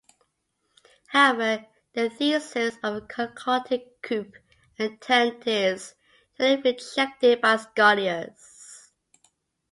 However, the thesis of a concocted coup attempt is generally rejected by scholars.